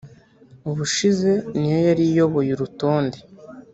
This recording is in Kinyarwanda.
(ubushize ni yo yari iyoboye urutonde)